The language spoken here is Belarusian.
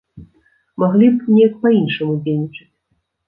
Маглі б неяк па-іншаму дзейнічаць.